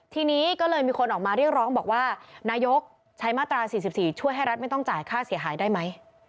ทีนี้ก็เลยมีคนออกมาเรียกร้องบอกว่านายกใช้มาตรา๔๔ช่วยให้รัฐไม่ต้องจ่ายค่าเสียหายได้ไหม